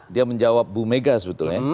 dia menjawab bu mega sebetulnya